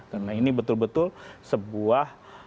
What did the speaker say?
karena ini betul betul sebuah